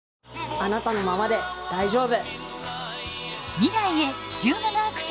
あなたのままで大丈夫。